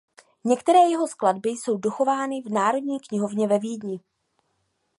Některé jeho skladby jsou dochovány v Národní knihovně ve Vídni.